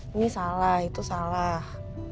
ini salah itu salah